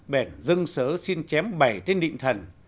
bẻn dâng sớ xin chém bảy tên định thần